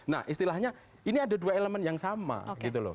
nah istilahnya ini ada dua elemen yang sama gitu loh